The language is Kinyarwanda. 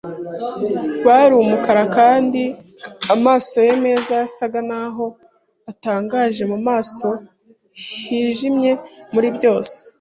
bari umukara, kandi amaso ye meza yasaga naho atangaje mu maso hijimye. Muri byose